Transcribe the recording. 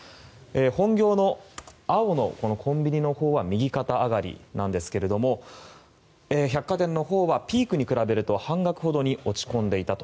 本業の、青のコンビニのほうは右肩上がりなんですが百貨店はピークに比べると半額ほどに落ち込んでいたと。